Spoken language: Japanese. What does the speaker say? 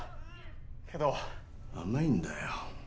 けど甘いんだよ